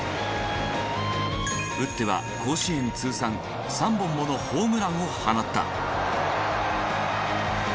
打っては甲子園通算３本ものホームランを放った。